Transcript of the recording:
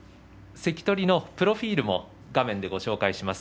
関取のプロフィールも画面でご紹介します。